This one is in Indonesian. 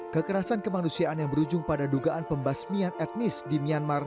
kekerasan kemanusiaan yang berujung pada dugaan pembasmian etnis di myanmar